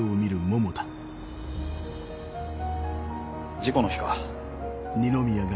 事故の日か。